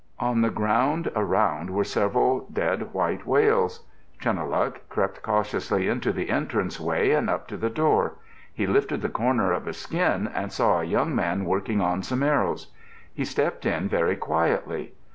On the ground around were several dead white whales. Chunuhluk crept cautiously into the entrance way and up to the door. He lifted the corner of a skin and saw a young man working on some arrows. He stepped in very quietly.